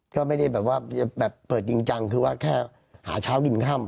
ก็ไม่ได้แบบว่าเปิดจริงจังว่าแค่หาเช้ากินข้ำ